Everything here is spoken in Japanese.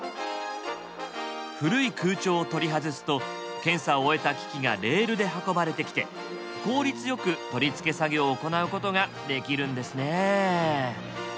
古い空調を取り外すと検査を終えた機器がレールで運ばれてきて効率よく取り付け作業を行うことができるんですね。